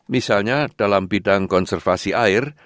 misalnya dalam bidang konservasi air